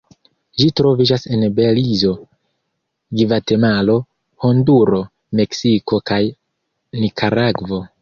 Ĝi troviĝas en Belizo, Gvatemalo, Honduro, Meksiko kaj Nikaragvo.